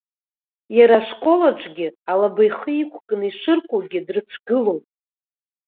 Иара ашкол аҿгьы, алаба ихы иқәкны ишыркугьы, дрыцәгылон.